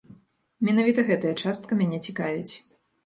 Менавіта гэтая частка мяне цікавіць.